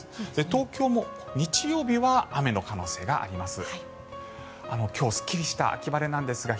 東京も日曜日は雨の可能性があります。